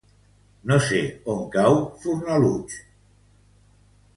No sé on cau Fornalutx.